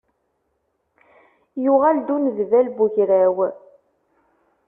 Yuɣal-d unedbal n ugraw.